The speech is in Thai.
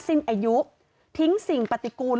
สิ้นอายุทิ้งสิ่งปฏิกูล